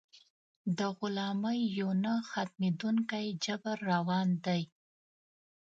د غلامۍ یو نه ختمېدونکی جبر روان دی.